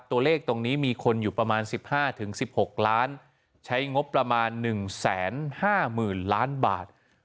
ตัวเลขตรงนี้มีคนอยู่ประมาณ๑๕๑๖ล้านใช้งบประมาณ๑๕๐๐๐ล้านบาท